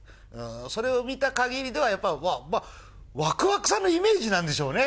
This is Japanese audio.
それを見たかぎりでは、やっぱりわくわくさんのイメージなんでしょうね。